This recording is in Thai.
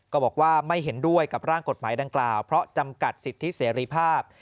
บอกว่าไม่เห็นด้วยกับร่างกฎหมายดังกล่าวเพราะจำกัดสิทธิเสรีภาพ